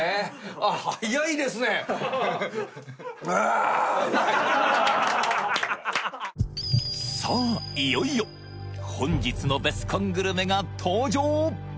あっうまいさあいよいよ本日のベスコングルメが登場！